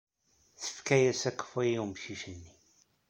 Tefka-as akeffay i wemcic-nni.